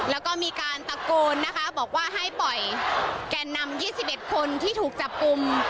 แล้วก็มีการตะโกนนะคะบอกว่าให้ปล่อยแก่นนำ๒๑คนที่ถูกจับกลุ่ม